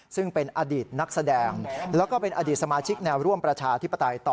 ซึ่งเป็นอดีตนักแสดงแล้วก็เป็นอดีตสมาชิกแนวร่วมประชาธิปไตยต่อ